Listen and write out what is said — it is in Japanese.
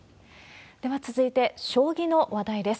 では続いて、将棋の話題です。